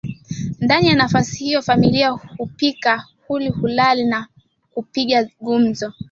Ndani ya nafasi hiyo familia hupika hul hulala na hupiga gumzo